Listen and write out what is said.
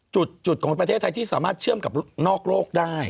จุดของประเทศไทยที่สามารถเชื่อมกับนอกโลกได้